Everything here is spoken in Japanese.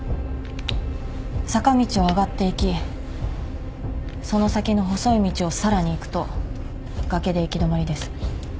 坂道を上がっていきその先の細い道をさらに行くと崖で行き止まりです。